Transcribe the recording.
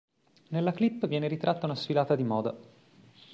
Nella clip viene ritratta una sfilata di moda.